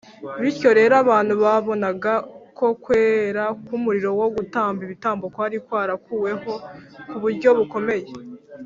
bityo rero, abantu babonaga ko kwera k’umurimo wo gutamba ibitambo kwari kwarakuweho ku buryo bukomeye